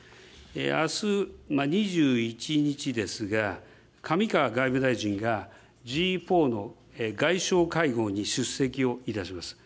あす２１日ですが、上川外務大臣がＧ４の外相会合に出席をいたします。